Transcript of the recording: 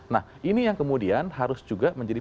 nah ini yang kemudian harus juga menjadi